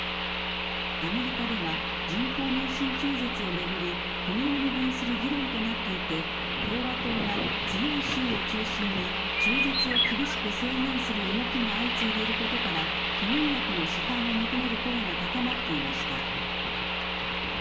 アメリカでは人工妊娠中絶を巡り国を二分する議論となっていて共和党が強い州を中心に中絶を厳しく制限する動きが相次いでいることから避妊薬の市販を求める声が高まっていました。